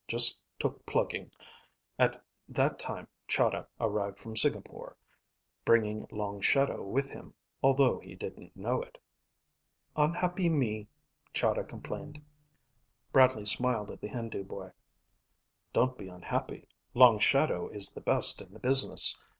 "Just took plugging. At that time, Chahda arrived from Singapore, bringing Long Shadow with him, although he didn't know it." "Unhappy me," Chahda complained. Bradley smiled at the Hindu boy. "Don't be unhappy. Long Shadow is the best in the business.